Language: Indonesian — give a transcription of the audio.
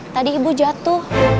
tadi ibu jatuh